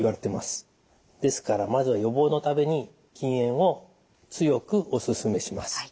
ですからまず予防のために禁煙を強くお勧めします。